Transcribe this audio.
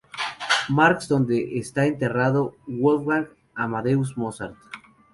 Marx donde está enterrado Wolfgang Amadeus Mozart.